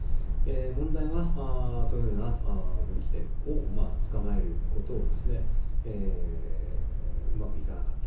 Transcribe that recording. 問題はそのような分岐点を捕まえる事をうまくいかなかった。